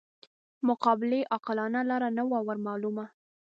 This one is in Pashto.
مقابلې عاقلانه لاره نه وه ورمعلومه.